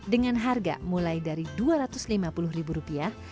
dengan harga mulai dari dua ratus lima puluh ribu rupiah